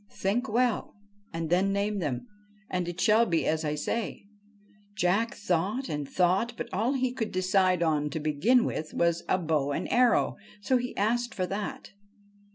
Think well, and then name them ; and it shall be as I say.' 121 THE FRIAR AND THE BOY Jack thought and thought ; but all he could decide on to begin with was a bow and arrow. So he asked for that.